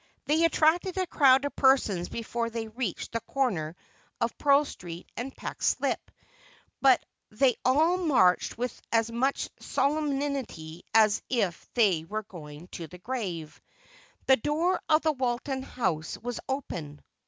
They attracted a crowd of persons before they reached the corner of Pearl Street and Peck Slip, but they all marched with as much solemnity as if they were going to the grave. The door of the Walton House was open.